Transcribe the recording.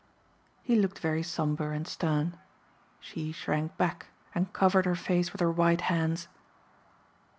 He looked very somber and stern. She shrank back, and covered her face with her white hands.